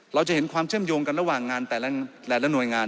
เราจะเห็นความเชื่อมโยงกันระหว่างงานแต่ละหน่วยงาน